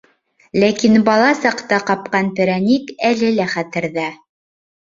Ләкин бала саҡта ҡапҡан перәник әле лә хәтерҙә.